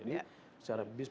jadi secara bisnis